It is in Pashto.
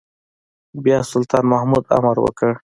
بيا سلطان محمود امر وکړ.